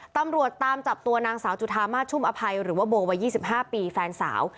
ตำรวจตามจับตัวนางสาวจุธามาสชุ่มอภัยหรือว่าโบวัย๒๕ปีแฟนสาว